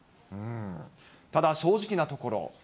ただ、正直なところ。